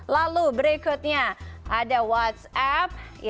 lalu berikutnya ada whatsapp